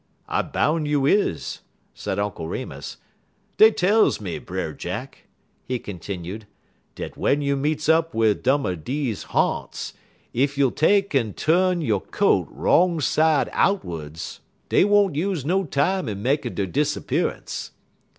"I boun' you is," said Uncle Remus. "Dey tells me, Brer Jack," he continued, "dat w'en you meets up wid one er deze ha'nts, ef you'll take'n tu'n yo' coat wrong sud outerds, dey won't use no time in makin' der disappearance."